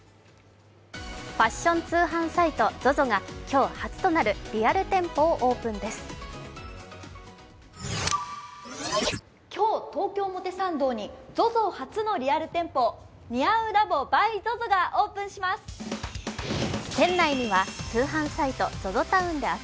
ファッション通販サイトＺＯＺＯが今日、初となるリアル店舗をオープンです。